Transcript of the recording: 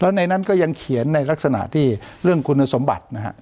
แล้วในนั้นก็ยังเขียนในลักษณะที่เรื่องคุณสมบัตินะฮะ